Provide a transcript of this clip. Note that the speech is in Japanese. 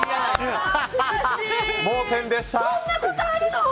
盲点でした。